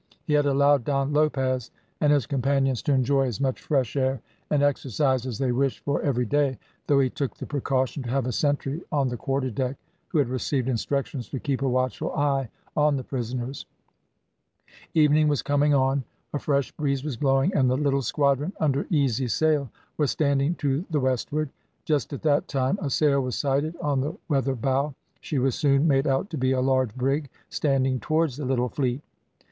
He had allowed Don Lopez and his companions to enjoy as much fresh air and exercise as they wished for every day, though he took the precaution to have a sentry on the quarterdeck, who had received instructions to keep a watchful eye on the prisoners. Evening was coming on, a fresh breeze was blowing, and the little squadron, under easy sail, was standing to the westward. Just at that time a sail was sighted on the weather bow; she was soon made out to be a large brig standing towards the little fleet.